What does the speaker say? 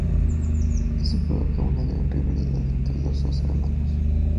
Esto provoca una gran rivalidad entre los dos hermanos.